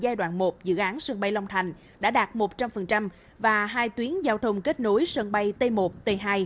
giai đoạn một dự án sân bay long thành đã đạt một trăm linh và hai tuyến giao thông kết nối sân bay t một t hai